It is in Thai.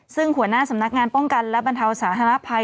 ซึ่งหัวหน้าสำนักงานป้องกันและบรรเทาสาธารณภัย